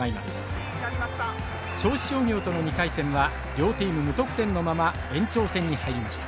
銚子商業との２回戦は両チーム無得点のまま延長戦に入りました。